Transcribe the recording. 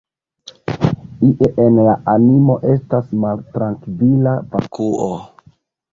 Ie en la animo estas maltrankvila vakuo.